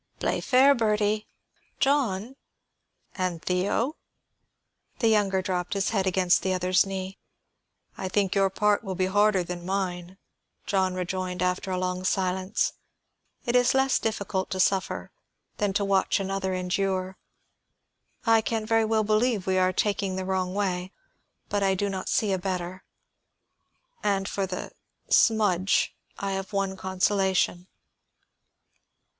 "Play fair, Bertie." "John " "And Theo?" The younger dropped his head against the other's knee. "I think your part will be harder than mine," John rejoined, after a long silence. "It is less difficult to suffer than to watch another endure. I can very well believe we are taking the wrong way, but I do not see a better. And for the smudge I have one consolation."